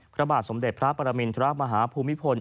พระบาทสมเด็จพระปรมินทรมาฮาภูมิพล